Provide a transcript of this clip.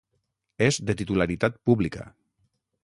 És de titularitat pública.